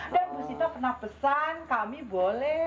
dan bu sita pernah pesan kami boleh